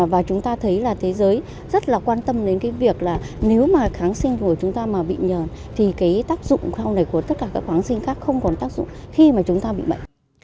và chúng ta thấy là thế giới rất quan tâm đến việc nếu kháng sinh của chúng ta bị nhờn thì tác dụng của tất cả các kháng sinh khác không còn tác dụng khi chúng ta bị bệnh